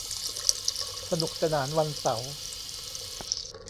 สนุกสนานวันเสาร์